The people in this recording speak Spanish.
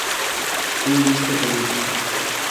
tú hubiste comido